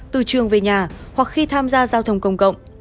từ trường về nhà hoặc khi tham gia giao thông công cộng